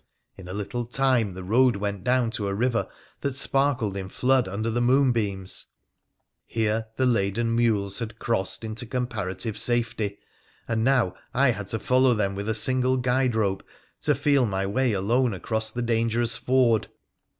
In a little time the road went down to a river that sparkled in flood under the moonbeams. Here the laden mules had crossed into comparative safety, and now I had to follow them with a single guide rope to feel my way alone across the dangerous ford.